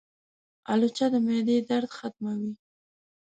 الوچه د معدې درد ختموي.